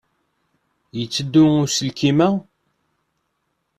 Yetteddu uselkim-a?